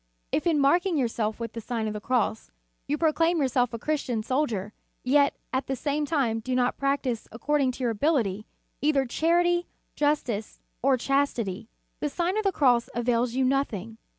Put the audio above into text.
.. If in marking yourself with the Sign of the Cross, you proclaim yourself a Christian soldier, yet, at the same time do not practise according to your ability, either charity, jus tice, or chastity, the Sign of the Cross avails you nothing.